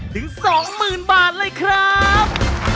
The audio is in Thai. ถึง๒๐๐๐บาทเลยครับ